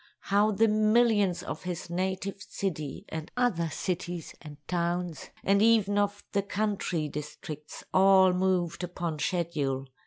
How the millions of his native city and of other cities and towns, and even of the country districts, all moved upon schedule!